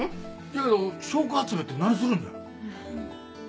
じゃけど証拠集めって何するんじゃ。